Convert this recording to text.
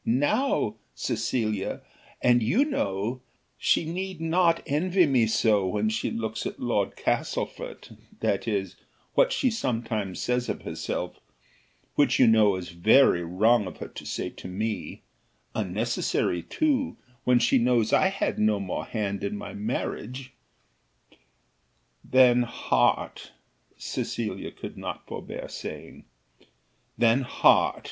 now, Cecilia, and you know, she need not envy me so when she looks at Lord Castlefort; that is, what she sometimes says herself, which you know is very wrong of her to say to me unnecessary too, when she knows I had no more hand in my marriage " "Than heart!" Cecilia could not forbear saying. "Than heart!"